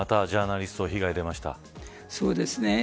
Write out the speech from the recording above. またそうですね。